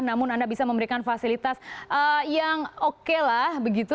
namun anda bisa memberikan fasilitas yang oke lah begitu